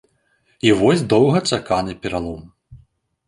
І вось доўгачаканы пералом.